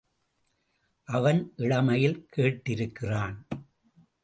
அவன் இளமையில் கேட்டிருக்கிறான்.